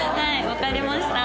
わかりました。